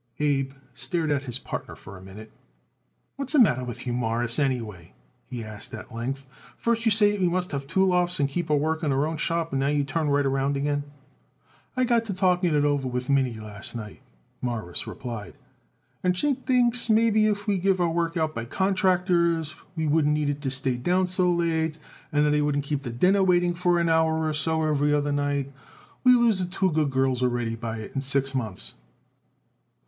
Abe stared at his partner for a minute. "What's the matter with you, Morris, anyway?" he asked at length. "First you say it we must have two lofts and keep our work in our own shop, and now you turn right around again." "I got to talking it over with Minnie last night," Morris replied, "and she thinks maybe if we give our work out by contractors we wouldn't need it to stay down so late, and then I wouldn't keep the dinner waiting an hour or so every other night. We lose it two good girls already by it in six months."